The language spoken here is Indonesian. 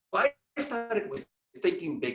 saya mulai dengan berpikir besar